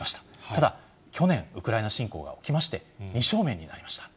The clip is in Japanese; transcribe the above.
ただ、去年、ウクライナ侵攻が起きまして、二正面になりました。